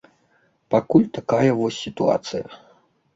Пакуль такая вось сітуацыя.